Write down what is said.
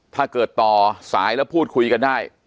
ถ้าเกิดต่อสายแล้วพูดคุยกันได้